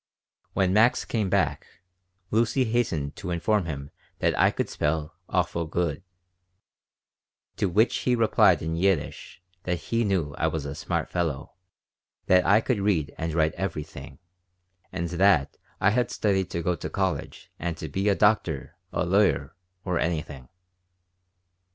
When Max came back Lucy hastened to inform him that I could spell "awful good." To which he replied in Yiddish that he knew I was a smart fellow, that I could read and write "everything," and that I had studied to go to college and "to be a doctor, a lawyer, or anything."